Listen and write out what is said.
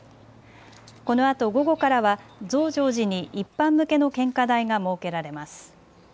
このあと午後からは増上寺に一般向けの献花台が設けられます。